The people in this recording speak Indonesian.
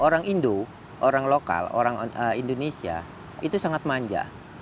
orang indo orang lokal orang indonesia itu sangat manja